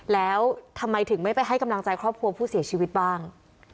แล้วทำไมถึงไม่ไปให้กำลังใจครอบครัวผู้เสียชีวิตบ้าง